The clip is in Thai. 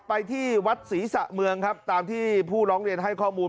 ไปที่วัดศรีสะเมืองครับตามที่ผู้ร้องเรียนให้ข้อมูล